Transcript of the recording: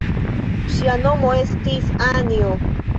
Ŝia nomo estis Anjo.